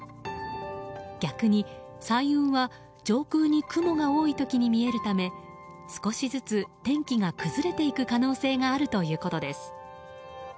逆に彩雲は上空に雲が多い時に見えるため少しずつ天気が崩れていく可能性があるということです。